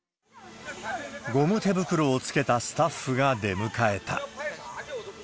ゴム手袋をつけたスタッフが出迎えた。